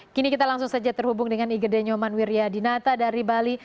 kini kita langsung saja terhubung dengan igede nyoman wiryadinata dari bali